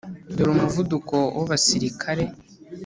dore umuvuduko w'abasirikare;